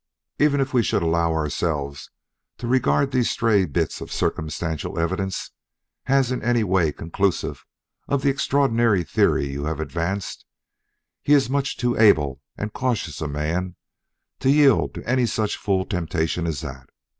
"Even if we should allow ourselves to regard these stray bits of circumstantial evidence as in any way conclusive of the extraordinary theory you have advanced, he's much too able and cautious a man to yield to any such fool temptation as that.